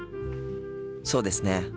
そうですね。